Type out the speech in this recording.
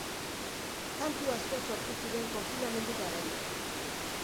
Kantu asko sortu ziren konfinamendu garaian.